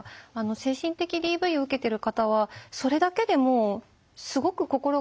精神的ＤＶを受けてる方はそれだけでもうすごく心が消耗してると思うんです。